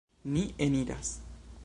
Ni eniras.